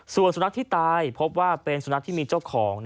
ส่วนสุนัขที่ตายพบว่าเป็นสุนัขที่มีเจ้าของ